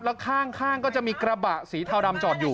แล้วข้างก็จะมีกระบะสีเทาดำจอดอยู่